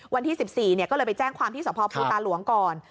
วันที่๑๔ก็เลยไปแจ้งความที่สภภูตาหลวงก่อน